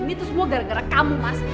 ini tuh semua gara gara kamu mas